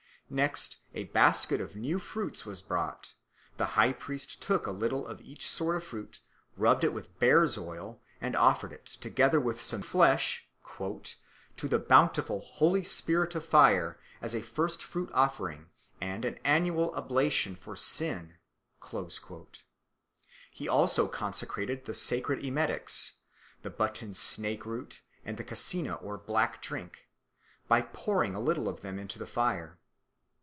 Next a basket of new fruits was brought; the high priest took out a little of each sort of fruit, rubbed it with bear's oil, and offered it, together with some flesh, "to the bountiful holy spirit of fire, as a first fruit offering, and an annual oblation for sin." He also consecrated the sacred emetics (the button snake root and the cassina or black drink) by pouring a little of them into the fire.